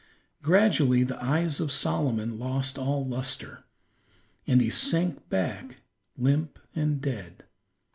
Gradually the eyes of Solomon lost all luster, and he sank back limp and dead.